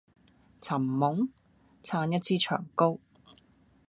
尋夢？撐一支長篙